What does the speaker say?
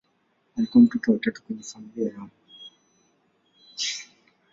Alikuwa mtoto wa tatu kwenye familia yao.